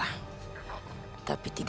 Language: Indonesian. aku akan menang